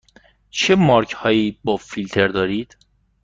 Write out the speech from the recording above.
چه مارک هایی با فیلتر دارید؟